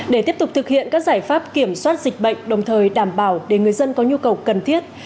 để tiếp tục thực hiện các giải pháp kiểm soát dịch bệnh đồng thời đảm bảo để người dân có nhu cầu cần thiết